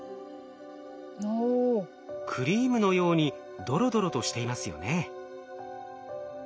クリームのようにドロドロとしていますよね。